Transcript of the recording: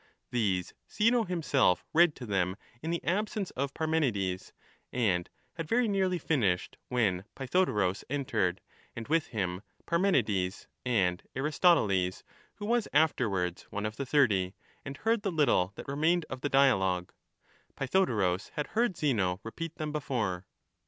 These Zeno himself read to them in the absence of Parmenides, and had very nearly finished when Pytho dorus entered, and with him Parmenides and Aristoteles who was afterwards one of the Thirty, and heard the little that remained of the dialogue. Pythodorus had heard Zeno repeat them before.